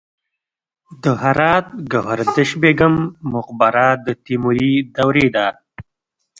د هرات ګوهردش بیګم مقبره د تیموري دورې ده